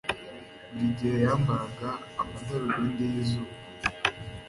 Buri gihe yambaraga amadarubindi y'izuba.